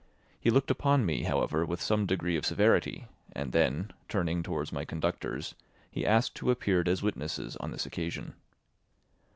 He looked upon me, however, with some degree of severity, and then, turning towards my conductors, he asked who appeared as witnesses on this occasion.